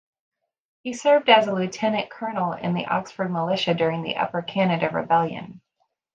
He served as a lieutenant-colonel in the Oxford militia during the Upper Canada Rebellion.